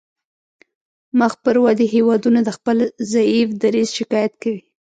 مخ پر ودې هیوادونه د خپل ضعیف دریځ شکایت کوي